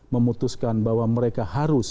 memutuskan bahwa mereka harus